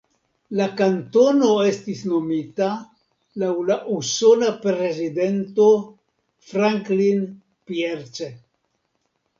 La kantono estis nomita laŭ la usona prezidento Franklin Pierce.